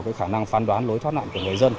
cái khả năng phán đoán lối thoát nạn của người dân